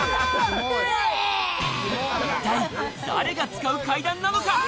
一体、誰が使う階段なのか？